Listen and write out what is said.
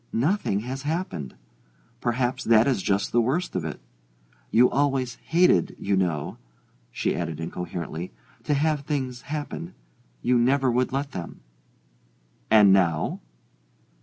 "Nothing has happened perhaps that is just the worst of it. You always hated, you know," she added incoherently, "to have things happen: you never would let them." "And now